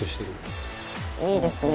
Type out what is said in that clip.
いいですね。